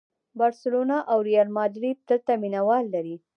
بارسلونا او ریال ماډریډ دلته مینه وال لري.